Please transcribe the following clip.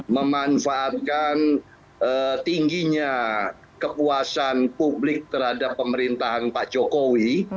memanfaatkan tingginya kepuasan publik terhadap pemerintahan pak jokowi